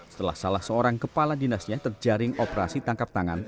setelah salah seorang kepala dinasnya terjaring operasi tangkap tangan